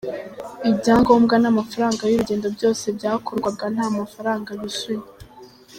Ibyangombwa n’amafaranga y’urugendo byose byakorwaga nta mafaranga bishyuye.